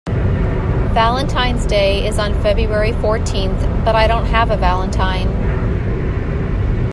Valentine's Day is on February fourteenth, but I don't have a valentine.